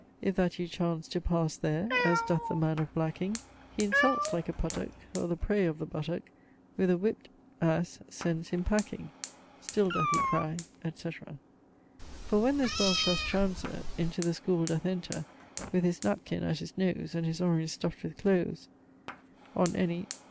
If that you chance to passe there, As doth the man of blacking; He insults like a puttock O're the prey of the buttock With a whip't a ... sends him packing. Still doth he cry, etc. For when this well truss't trounser Into the school doth enter With his napkin at his nose And his orange stuft with cloves On any